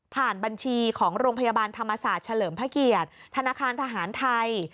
บัญชีของโรงพยาบาลธรรมศาสตร์เฉลิมพระเกียรติธนาคารทหารไทย